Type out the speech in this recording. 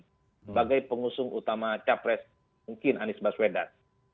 sebagai pengusung utama capres mungkin anies baswedan